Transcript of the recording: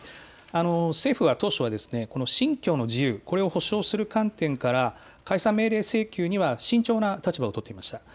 政府は当初は信教の自由、これを保障する観点から解散命令請求には慎重な立場を取っていました。